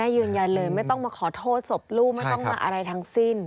ยืนยันเลยไม่ต้องมาขอโทษศพลูกไม่ต้องมาอะไรทั้งสิ้น